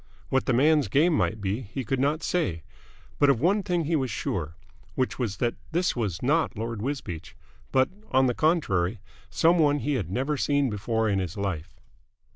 What the man's game might be, he could not say; but of one thing he was sure, which was that this was not Lord Wisbeach, but on the contrary some one he had never seen before in his life.